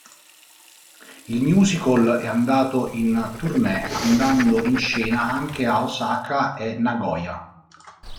Il musical è andato in tournée, andando in scena anche a Osaka e Nagoya.